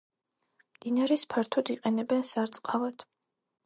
მდინარეს ფართოდ იყენებენ სარწყავად.